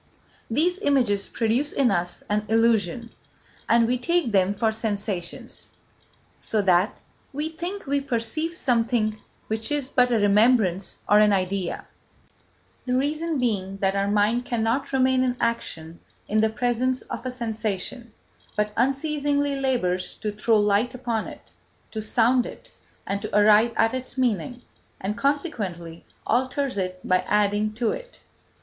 These images produce in us an illusion, and we take them for sensations, so that we think we perceive something which is but a remembrance or an idea; the reason being that our mind cannot remain in action in the presence of a sensation, but unceasingly labours to throw light upon it, to sound it, and to arrive at its meaning, and consequently alters it by adding to it.